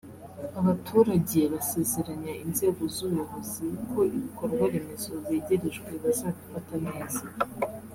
Abaturage basezeranya inzego z’ubuyobozi ko ibikorwa remezo begerejwe bazabifata neza